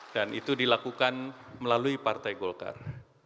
dan itu dilakukan melalui partai golkar